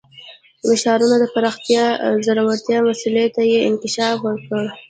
د ښارونو د پراختیا او ځوړتیا مسئلې ته یې انکشاف ورکړ